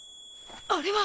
あれは！